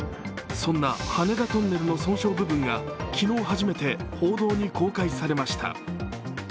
そんな羽田トンネルの損傷部分が昨日、初めて報道に公開されました。